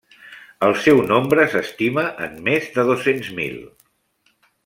El seu nombre s'estima en més de dos-cents mil.